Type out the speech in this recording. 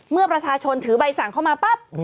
เมื่อประชาชนถือใบสั่งเข้ามาปั๊บ